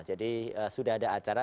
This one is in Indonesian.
jadi sudah ada acara